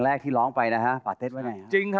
ให้หันไปทางอื่น